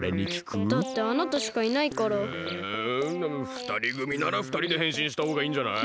ふたりぐみならふたりでへんしんしたほうがいいんじゃない？